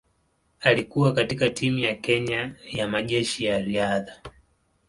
Alikuwa katika timu ya Kenya ya Majeshi ya Riadha.